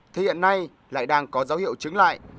thì hiện nay lại đang có dấu hiệu chứng lại